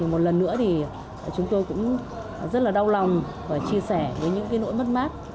một lần nữa thì chúng tôi cũng rất là đau lòng và chia sẻ với những nỗi mất mát